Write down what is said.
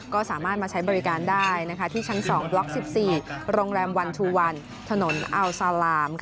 ก็สามารถมาใช้บริการได้ที่ชั้น๒บล็อก๑๔โรงแรมวันชูวันถนนอัลซาลาม